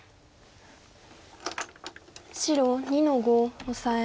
白２の五オサエ。